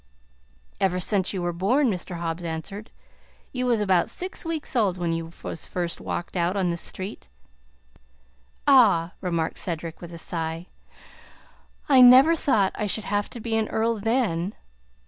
"Ever since you was born," Mr. Hobbs answered. "You was about six weeks old when you was first walked out on this street." "Ah," remarked Cedric, with a sigh, "I never thought I should have to be an earl then!"